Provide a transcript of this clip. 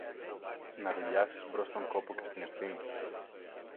να δειλιάσεις μπρος στον κόπο και στην ευθύνη